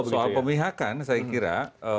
soal pemihakan saya kira